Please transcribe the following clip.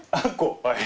はい。